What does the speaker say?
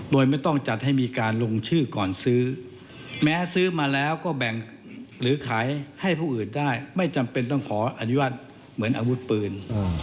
โดยไม่ต้องจัดให้มีการลงชื่อก่อนซื้อแม้ซื้อมาแล้วก็แบ่งหรือขายให้ผู้อื่นได้ไม่จำเป็นต้องขออนุญาตเหมือนอาวุธปืน